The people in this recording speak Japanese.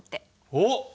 おっ！